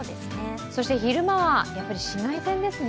そして昼間はやっぱり紫外線ですよね。